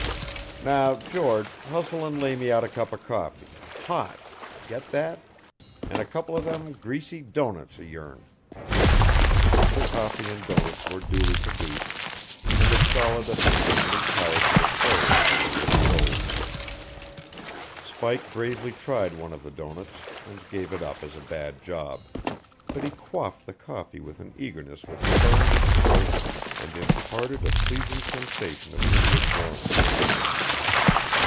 Now, George, hustle and lay me out a cup of coffee, hot get that? and a couple of them greasy doughnuts of yourn." The coffee and doughnuts were duly produced, and the stolid Athenian retired to the torrid zone of his stove. Spike bravely tried one of the doughnuts and gave it up as a bad job, but he quaffed the coffee with an eagerness which burned his throat and imparted a pleasing sensation of inward warmth.